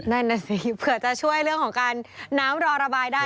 นั่นน่ะสิเผื่อจะช่วยเรื่องของการน้ำรอระบายได้